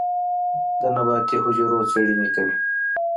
اگه د نباتي حجرو څېړنې کوي.